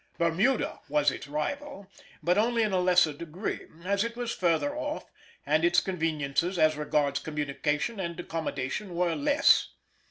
Bermuda was its rival, but only in a lesser degree, as it was further off, and its conveniences as regards communication and accommodation were less.